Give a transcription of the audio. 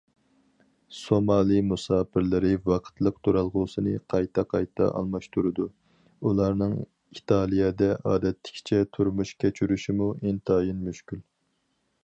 سومالى مۇساپىرلىرى ۋاقىتلىق تۇرالغۇسىنى قايتا- قايتا ئالماشتۇرىدۇ، ئۇلارنىڭ ئىتالىيەدە ئادەتتىكىچە تۇرمۇش كەچۈرۈشىمۇ ئىنتايىن مۈشكۈل.